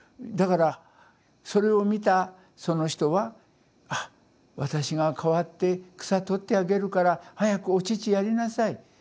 だからそれを見たその人は「ああ私が代わって草取ってあげるから早くお乳やりなさい。